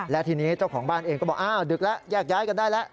และทีนี้เจ้าของบ้านเองก็บอกอ้าวดึกแล้วแยกย้ายกันได้แล้ว